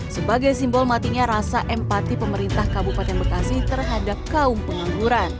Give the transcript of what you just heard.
sebagai simbol matinya rasa empati pemerintah kabupaten bekasi terhadap kaum pengangguran